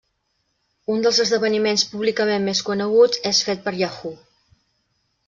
Un dels esdeveniments públicament més coneguts és fet per Yahoo!